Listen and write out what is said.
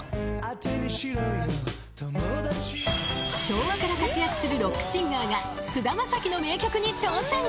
［昭和から活躍するロックシンガーが菅田将暉の名曲に挑戦］